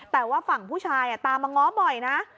แต่ว่าฝั่งผู้ชายตามมาง้อบ่อยนะ